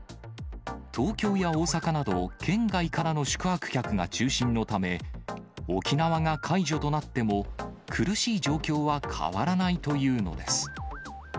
東京や大阪など県外からの宿泊客が中心のため、沖縄が解除となっても、苦しい状況は変わらないというのです。